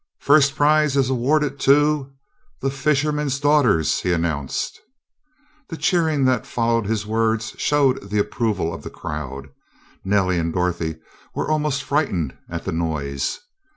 "First prize is awarded to the Fisherman's Daughters," he announced. The cheering that followed his words showed the approval of the crowd. Nellie and Dorothy were almost frightened at the noise.